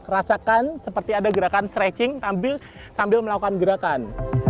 rasakan seperti ada gerakan stretching sambil melakukan gerakan